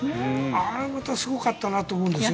あれはまたすごかったなと思うんですよ。